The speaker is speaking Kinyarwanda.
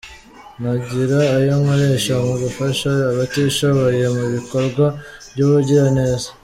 Nagira ayo nkoresha mu gufasha abatishoboye, mu bikorwa by’ubugiraneza.